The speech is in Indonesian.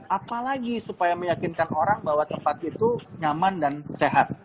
apalagi supaya meyakinkan orang bahwa tempat itu nyaman dan sehat